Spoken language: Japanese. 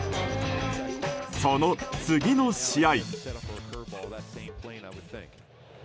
その次の試合。